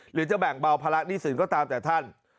หรือจะแบ่งเบาภาระหนี้สินก็ตามแต่ท่าน